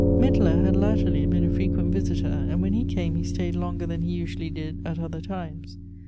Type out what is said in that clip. Mittler had latterly been a frequent visitor, and when he came he staid longer than he usually did at other times.